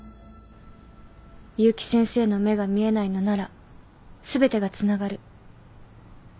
結城先生の目が見えないのなら全てがつながる。